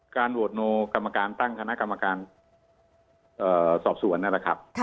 โหวตโนกรรมการตั้งคณะกรรมการสอบสวนนั่นแหละครับ